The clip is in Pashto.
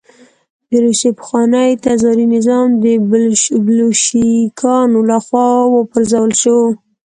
د روسیې پخوانی تزاري نظام د بلشویکانو له خوا وپرځول شو